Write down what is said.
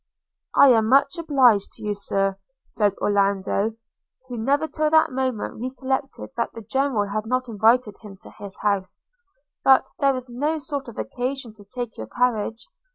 'I am much obliged to you, Sir,' answered Orlando, who never till that moment recollected that the General had not invited him to his house – 'but there is no sort of occasion to take your carriage.